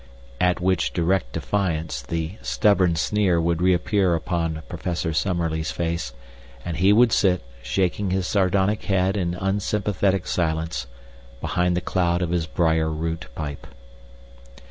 At which direct defiance the stubborn sneer would reappear upon Professor Summerlee's face, and he would sit, shaking his sardonic head in unsympathetic silence, behind the cloud of his briar root pipe.